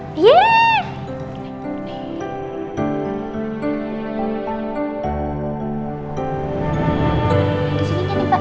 disininya nih pak